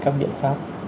các biện pháp